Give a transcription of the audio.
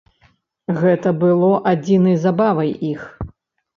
Гэта было адзінай забавай іх.